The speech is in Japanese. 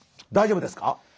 大丈夫ですか？